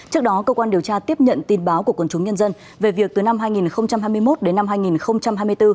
trước đó cơ quan điều tra tiếp nhận tin báo của quần chúng nhân dân về việc từ năm hai nghìn hai mươi một đến năm hai nghìn hai mươi bốn